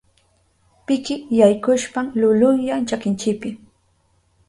Piki yaykushpan lulunyan chakinchipi.